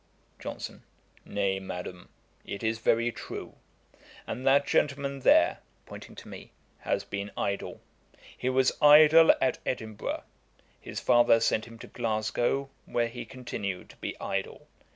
JOHNSON. 'Nay, Madam, it is very true; and that gentleman there (pointing to me,) has been idle. He was idle at Edinburgh. His father sent him to Glasgow, where he continued to be idle.